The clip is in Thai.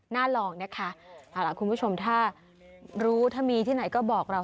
ลองนะคะเอาล่ะคุณผู้ชมถ้ารู้ถ้ามีที่ไหนก็บอกเรา